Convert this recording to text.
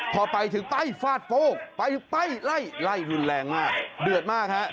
พอไปถึงไปฟาดโฟกไปไปไล่ไล่รุนแรงมากเดือดมากฮะ